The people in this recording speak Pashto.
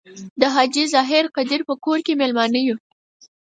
د حاجي ظاهر قدیر په کور کې میلمانه یو.